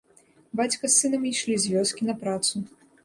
Бацька з сынам ішлі з вёскі на працу.